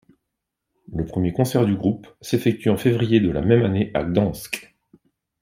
Le premier concert du groupe s'effectue en février de la même année à Gdańsk.